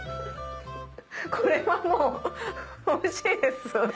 これはもうおいしいです。